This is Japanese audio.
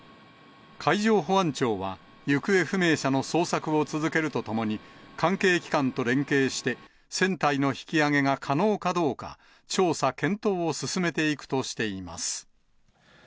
海上保安庁は、行方不明者の捜索を続けるとともに、関係機関と連携して、船体の引き揚げが可能かどうか、調査・検討を進めていくとしています。